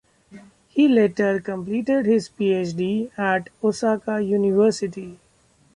He later completed his Ph.D. at Osaka University.